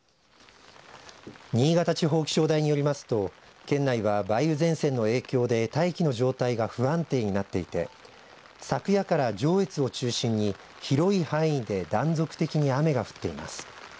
新潟地方気象台によりますと県内は梅雨前線の影響で大気の状態が不安定になっていて昨夜から上越を中心に広い範囲で断続的に雨が降っています。